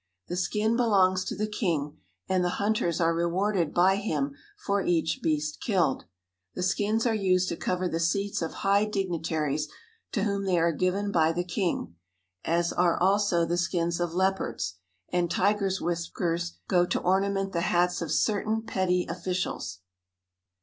The skin belongs to the king, and the hunters are rewarded by him for each beast killed. The skins are used to cover the seats of high dignitaries, to whom they are given by the king, as are also the skins of leopards; and tigers' whiskers go to ornament the hats of certain petty officials.